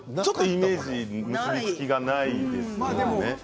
ちょっとイメージ結び付きがないですよね。